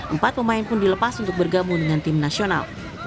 empat pemain pun dilepas untuk bergabung dengan tim nasional